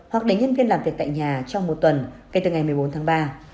hoặc để nhân viên làm việc tại nhà trong một tuần kể từ ngày một mươi bốn tháng ba